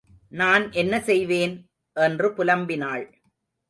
நான் என்ன செய்வேன்? என்று புலம்பினாள்.